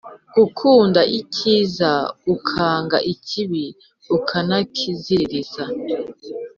gukunda ikiza ukanga ikibi ukanakiziririza.